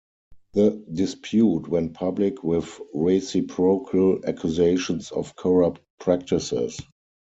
The dispute went public with reciprocal accusations of corrupt practices.